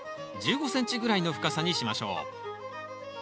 １５ｃｍぐらいの深さにしましょう。